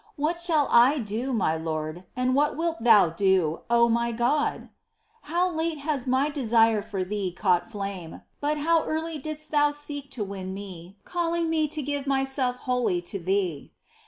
What shall I do, my Lord, and what wilt Thou do, O my God ? 2. How late has my desire for Thee caught flame, but how early didst Thou seek to win me, calling me to give myself wholly to Thee